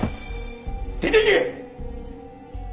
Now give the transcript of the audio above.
出ていけ！